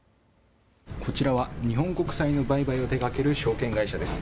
こちらは日本国債の売買を手がける証券会社です。